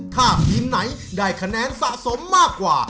ถ้าทีมไหนได้คะแนนสะสมมากกว่า